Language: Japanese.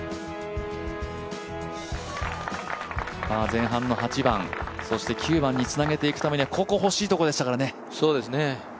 前半の８番、そして９番につなげていくためにはここ欲しいところでしたからね。